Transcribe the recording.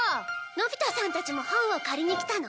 のび太さんたちも本を借りに来たの？